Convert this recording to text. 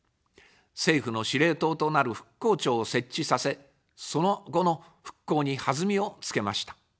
政府の司令塔となる復興庁を設置させ、その後の復興に弾みをつけました。